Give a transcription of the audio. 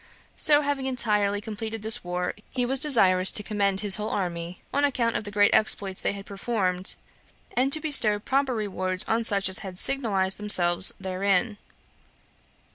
So, having entirely completed this war, he was desirous to commend his whole army, on account of the great exploits they had performed, and to bestow proper rewards on such as had signalized themselves therein.